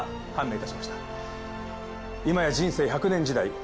いまや人生１００年時代。